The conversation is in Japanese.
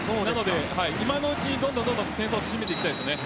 今のうちに、どんどん点差を縮めていきたいです。